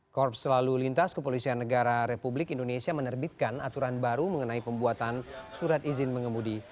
korps selalu lintas kepolisian negara republik indonesia menerbitkan aturan baru mengenai pembuatan surat izin mengemudi